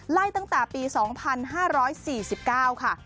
ไล่ตั้งแต่ปี๒๕๔๙ค่ะ